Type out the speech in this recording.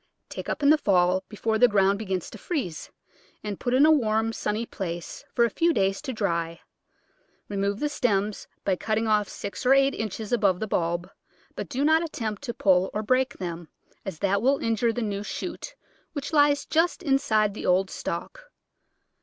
Take up in the fall before the ground begins to freeze, and put in a warm, sunny place for a few days to dry. Remove the stems Digitized by Google Thirteen] 3&Ul&Ott0 T^UtU* *53 by cutting off six or eight inches above the bulb, but do not attempt to pull or break them, as that will injure the new shoot which lies just inside the old stalk.